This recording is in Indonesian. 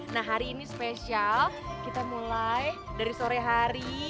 nah hari ini spesial kita mulai dari sore hari